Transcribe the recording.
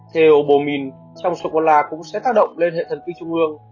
theo bồ mìn trong sô cô la cũng sẽ tác động lên hệ thần kinh trung ương